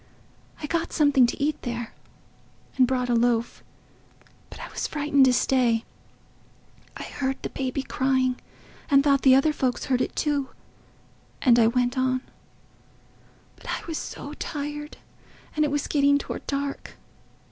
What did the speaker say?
I got something to eat there, and bought a loaf. But I was frightened to stay. I heard the baby crying, and thought the other folks heard it too—and I went on. But I was so tired, and it was getting towards dark.